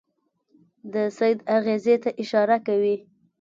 د سید اغېزې ته اشاره کوي.